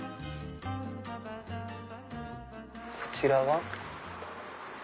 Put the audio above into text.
こちらは。